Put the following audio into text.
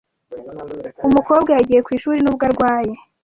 Umukobwa yagiye ku ishuri nubwo arwaye.